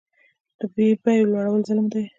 د بیو لوړول ظلم دی